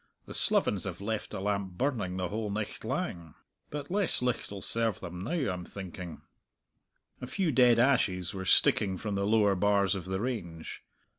The slovens have left the lamp burning the whole nicht lang. But less licht'll serve them now, I'm thinking!" A few dead ashes were sticking from the lower bars of the range.